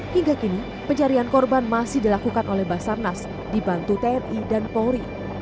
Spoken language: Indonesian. hingga kini pencarian korban masih dilakukan oleh basarnas dibantu tni dan polri